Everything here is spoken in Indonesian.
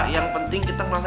yang penting kita merasa